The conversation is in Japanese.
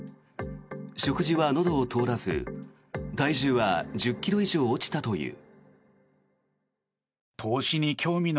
食事はのどを通らず体重は１０ｋｇ以上落ちたという。